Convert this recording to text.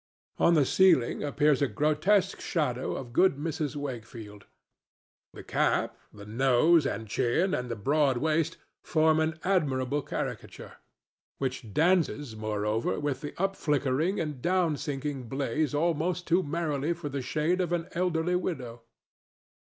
On the ceiling appears a grotesque shadow of good Mrs. Wakefield. The cap, the nose and chin and the broad waist form an admirable caricature, which dances, moreover, with the up flickering and down sinking blaze almost too merrily for the shade of an elderly widow.